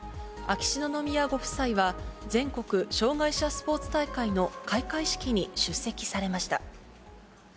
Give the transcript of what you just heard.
秋篠宮ご夫妻は、全国障害者スポーツ大会の開会式に出席されました。